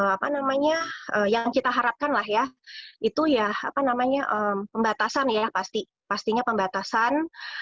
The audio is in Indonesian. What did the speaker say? apa namanya yang kita harapkan lah ya itu ya apa namanya pembatasan ya pasti pastinya pembatasan